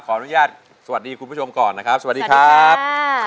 ขออนุญาตสวัสดีคุณผู้ชมก่อนนะครับสวัสดีครับ